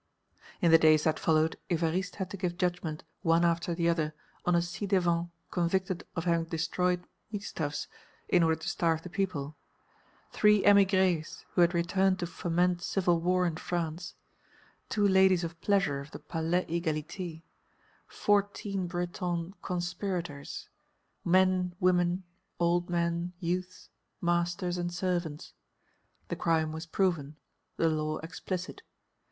In the days that followed Évariste had to give judgment one after the other on a ci devant convicted of having destroyed wheat stuffs in order to starve the people, three émigrés who had returned to foment civil war in France, two ladies of pleasure of the Palais Égalité, fourteen Breton conspirators, men, women, old men, youths, masters, and servants. The crime was proven, the law explicit.